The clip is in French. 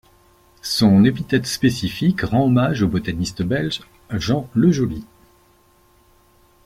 Son épithète spécifique rend hommage au botaniste belge Jean Lejoly.